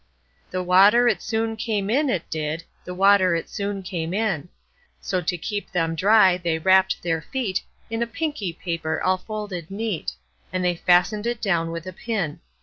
The water it soon came in, it did; The water it soon came in:So, to keep them dry, they wrapp'd their feetIn a pinky paper all folded neat:And they fasten'd it down with a pin.